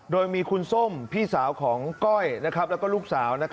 โดยมีคุณส้มพี่สาวของก้อยแล้วก็ลูกสาว